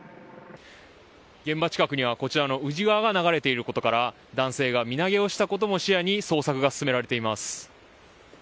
現場近くにはこちらの宇治川が流れていることから男性が身投げをしたことも視野に捜索が進められています。